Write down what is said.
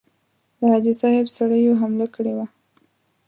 د حاجي صاحب سړیو حمله کړې وه.